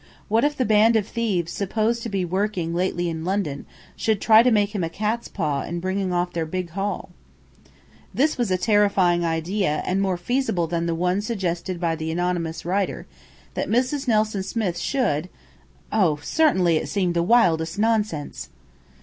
What if the band of thieves supposed to be "working" lately in London should try to make him a cat's paw in bringing off their big haul? This was a terrifying idea, and more feasible than the one suggested by the anonymous writer, that Mrs. Nelson Smith should oh, certainly it seemed the wildest nonsense!